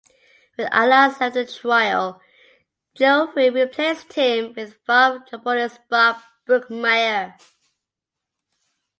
When Atlas left the trio, Giuffre replaced him with valve trombonist Bob Brookmeyer.